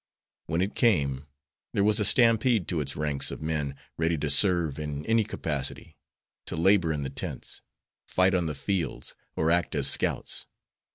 When it came, there was a stampede to its ranks of men ready to serve in any capacity, to labor in the tents, fight on the fields, or act as scouts.